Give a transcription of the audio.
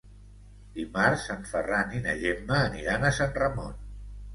Dimarts en Ferran i na Gemma aniran a Sant Ramon.